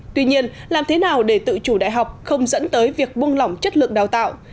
tuy nhiên làm thế nào để tự chủ đại học không dẫn tới việc buông lỏng chất lượng đào tạo